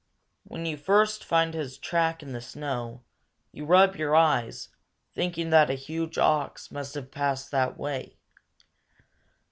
When you first find his track in the snow, you rub your eyes, thinking that a huge ox must have passed that way.